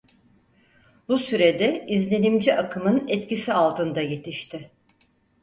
Bu sürede izlenimci akımın etkisi altında yetişti.